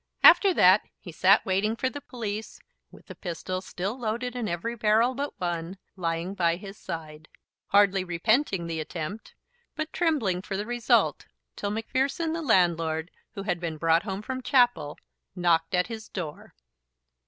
After that he had sat waiting for the police, with the pistol, still loaded in every barrel but one, lying by his side, hardly repenting the attempt, but trembling for the result, till Macpherson, the landlord, who had been brought home from chapel, knocked at his door.